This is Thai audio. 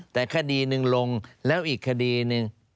แต่คดีหนึ่งลงแล้วอีกคดีหนึ่ง